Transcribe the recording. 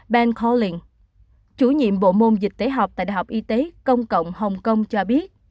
ben colin chủ nhiệm bộ môn dịch tễ học tại đại học y tế công cộng hồng kông cho biết